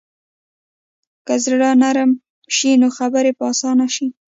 که زړه نرمه شي، نو خبرې به اسانه شي.